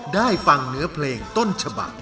ได้ฟังเนื้อเพลงต้นฉบัก